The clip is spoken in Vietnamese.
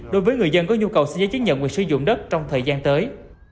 đối với người dân có nhu cầu xây dựng chứng nhận quyền sử dụng đất trong thời gian tới